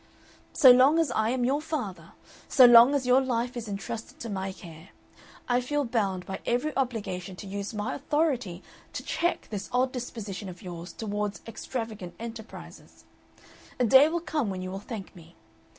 "So long as I am your father, so long as your life is entrusted to my care, I feel bound by every obligation to use my authority to check this odd disposition of yours toward extravagant enterprises. A day will come when you will thank me.